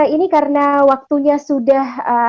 ini karena waktunya sudah